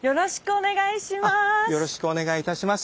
よろしくお願いします。